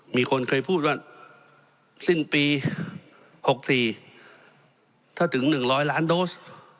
มีคนเคยพูดว่าสิ้นปี๖๔ถ้าถึง๑๐๐ล้านโดส